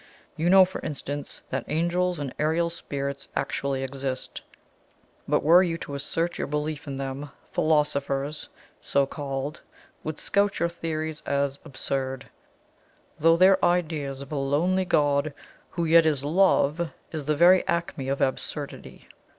You know, for instance, that angels and aerial spirits actually exist; but were you to assert your belief in them, philosophers (so called) would scout your theories as absurd, though their idea of a LONELY God, who yet is Love, is the very acme of absurdity.